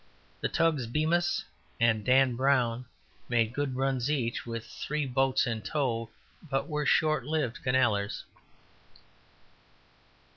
The tugs, Bemis and Dan Brown, made good runs each, with three boats in tow, but were short lived canallers.